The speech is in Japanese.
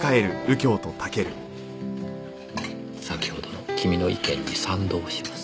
先ほどの君の意見に賛同します。